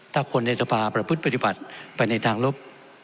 ถ้าคนในสภาประพฤติปฏิบัติไปในทางลบ